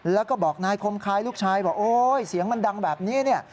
แล้วก็บอกนายคมคายลูกชายบอกโอ๊ยเสียงมันดังแบบนี้เนี่ย